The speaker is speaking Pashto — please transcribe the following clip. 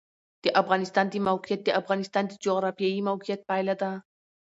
د افغانستان د موقعیت د افغانستان د جغرافیایي موقیعت پایله ده.